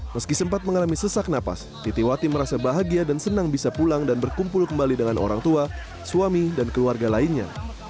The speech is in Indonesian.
meski sempat mengalami sesak napas titi wati merasa bahagia dan senang bisa pulang dan berkumpul kembali dengan orang tua suami dan keluarga lainnya